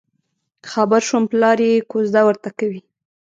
خبر شوم پلار یې کوزده ورته کوي.